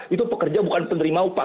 itu pekerja bukan penerima upah